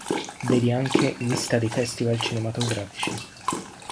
Vedi anche Lista dei festival cinematografici.